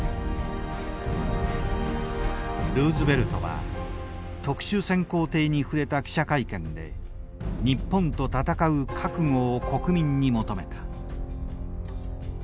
ルーズベルトは特殊潜航艇に触れた記者会見で日本と戦う覚悟を国民に求めた。